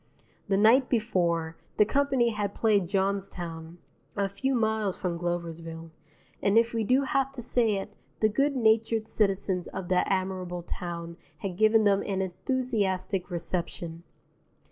The night before, the company had played Johnstown (a few miles from Gloversville), and if we do have to say it, the good natured citizens of that admirable town had given them an enthusiastic reception.